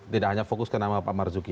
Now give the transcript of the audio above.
tidak hanya fokus ke nama pak marzuki